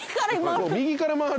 右から回る？